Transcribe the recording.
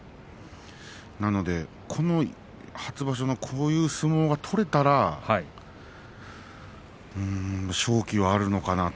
なので、この初場所のこういう相撲が取れたら勝機はあるのかなと。